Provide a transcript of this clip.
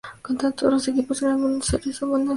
Todos los equipos eran de Buenos Aires o Gran Buenos Aires.